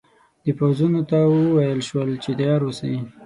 د پوځونو ته وویل شول چې تیار اوسي.